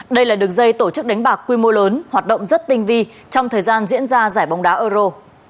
đây là đường dây tổ chức đánh bạc quy mô lớn hoạt động rất tinh vi trong thời gian diễn ra giải bóng đá euro